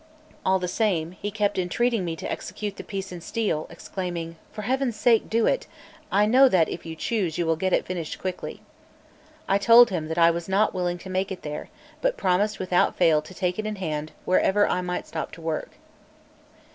All the same, he kept entreating me to execute the piece in steel, exclaiming: "For Heaven's sake, do it; I know that, if you choose, you will get it quickly finished." I told him that I was not willing to make it there, but promised without fail to take it in hand wherever I might stop to work.